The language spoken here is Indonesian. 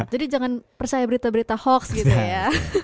jadi jangan percaya berita berita hoax gitu ya